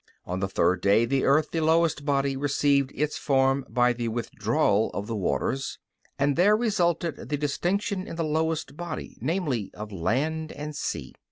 On the third day the earth, the lowest body, received its form by the withdrawal of the waters, and there resulted the distinction in the lowest body, namely, of land and sea.